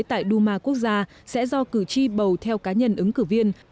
tại duma quốc gia sẽ do cử tri bầu theo cá nhân ứng cử viên